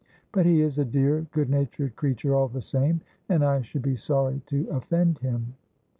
But he is a dear good natured creature all the same, and I should be sorry to offend him.'